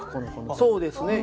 そうですね。